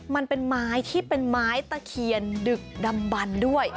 มันเป็นไม้ที่เป็นไม้ตะเคียนดึกดำบันด้วย